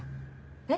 え？